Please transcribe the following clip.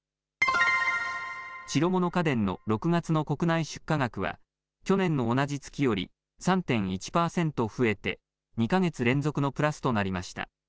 白物家電の６月の国内出荷額は去年の同じ月より３．１％増えて２か月連続のプラスとなりました。